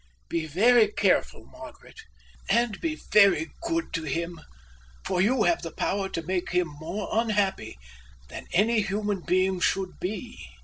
Be very careful, Margaret, and be very good to him, for you have the power to make him more unhappy than any human being should be."